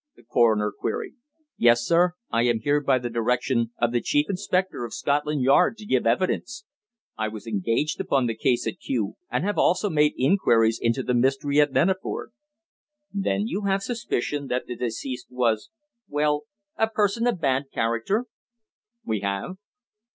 the coroner queried. "Yes, sir. I am here by the direction of the Chief Inspector of Scotland Yard to give evidence. I was engaged upon the case at Kew, and have also made inquiries into the mystery at Neneford." "Then you have suspicion that the deceased was well, a person of bad character?" "We have."